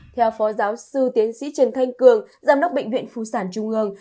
theo phó giáo sư tiến sĩ trần thanh cường giám đốc bệnh viện phụ sản trung ương